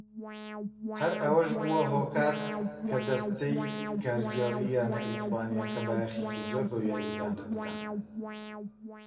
هەر ئەوەش بووە هۆکار کە دەستەی کارگێڕیی یانە ئیسپانییەکە بایەخێکی زۆر بەو یاریزانە بدەن.